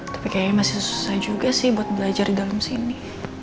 tapi kayaknya masih susah juga sih buat belajar di dalam sini